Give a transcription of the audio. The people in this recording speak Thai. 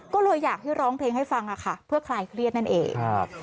ก็เลยอยากให้ร้องเพลงให้ฟังค่ะเพื่อคลายเครียดนั่นเองครับ